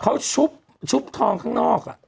เขาชุบทองข้างนอก